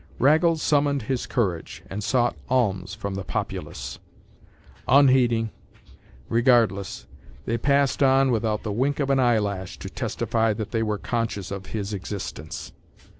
Raggles summoned his courage and sought alms from the populace. Unheeding, regardless, they passed on without the wink of an eyelash to testify that they were conscious of his existence.